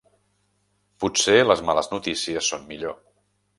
Potser les males notícies són millor.